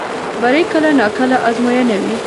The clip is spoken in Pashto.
بری کله ناکله ازموینه وي.